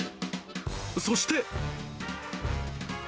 そして。